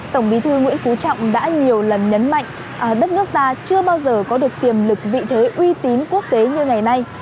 tổng bí thư nguyễn phú trọng đã nhiều lần nhấn mạnh đất nước ta chưa bao giờ có được tiềm lực vị thế uy tín quốc tế như ngày nay